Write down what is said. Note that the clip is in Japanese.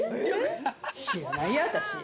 知らないよ私。